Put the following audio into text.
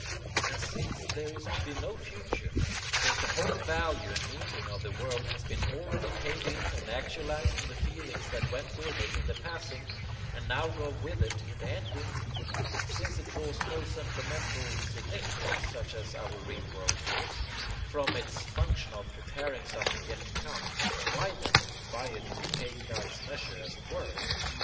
And since there is to be no future; since the whole value and meaning of the world has been already paid in and actualized in the feelings that went with it in the passing, and now go with it in the ending; since it draws no supplemental significance (such as our real world draws) from its function of preparing something yet to come; why then, by it we take God's measure, as it were.